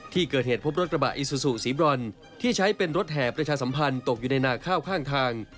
ที่เกิดเหตุพบรถกระบะอิซูซูสีบรอนที่ใช้เป็นรถแห่ประชาสัมพันธ์ตกอยู่ในนาข้าวข้างทาง